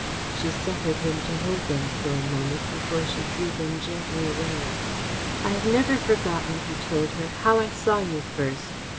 She suffered him to hold them for a moment before she drew them gently away. "I have never forgotten," he told her, "how I saw you first.